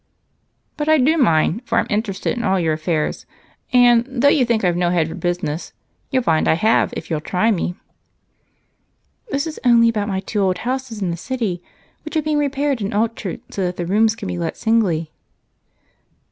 "But I do mind, for I'm interested in all your affairs, and though you think I've no head for business, you'll find I have if you'll try me." "This is only about my two old houses in the city, which are being repaired and altered so that the rooms can be let singly."